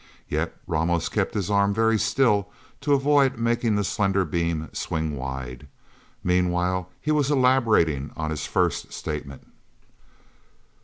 Yet Ramos kept his arm very still, to avoid making the slender beam swing wide. Meanwhile, he was elaborating on his first statement